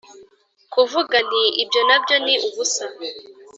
Kuvuga Nti Ibyo Na Byo Ni Ubusa